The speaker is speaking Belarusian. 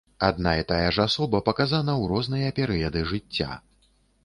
Адна і тая ж асоба паказана ў розныя перыяды жыцця.